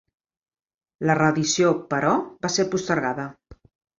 La reedició, però, va ser postergada.